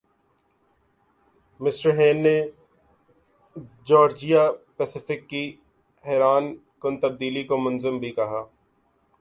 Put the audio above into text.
mister Hain نے Georgia Pacific کی حیرانکن تبدیلی کو منظم بھِی کِیا